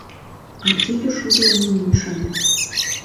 — Аптеке шудылан ом ӱшане.